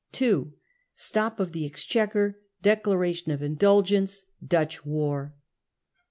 2. Stop of the Exchequer. Declaration of Indulgence. Dutch War.